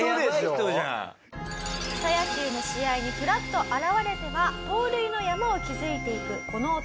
草野球の試合にフラッと現れては盗塁の山を築いていくこの男。